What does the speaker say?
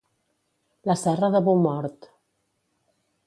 La Serra de Boumort.